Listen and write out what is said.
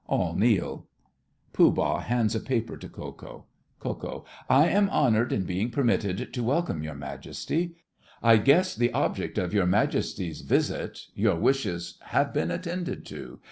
All kneel (Pooh Bah hands a paper to Ko Ko.) KO. I am honoured in being permitted to welcome your Majesty. I guess the object of your Majesty's visit—your wishes have been attended to.